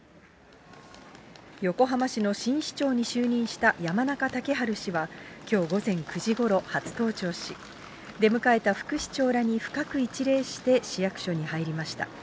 横浜市の新市長に就任した山中竹春氏は、きょう午前９時ごろ、初登庁し、出迎えた副市長らに深く一礼して、市役所に入りました。